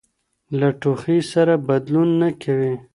له ټوخي سره بدلون نه کوي.